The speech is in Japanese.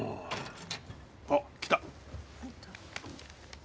あっ来た。